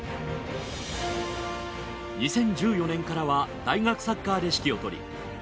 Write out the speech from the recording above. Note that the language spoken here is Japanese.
２０１４年からは大学サッカーで指揮を執り